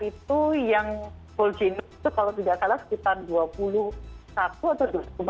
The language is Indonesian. itu yang whole genome itu kalau tidak salah sekitar dua puluh satu atau dua puluh empat